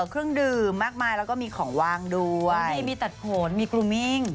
เครื่องดื่มมากมายแล้วก็มีของวางด้วยมีตัดผลมีกลูมิ่ง